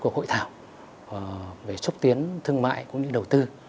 của hội thảo về xúc tiến thương mại cũng như đầu tư